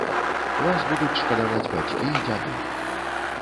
Вас будуць шкадаваць бацькі і дзяды.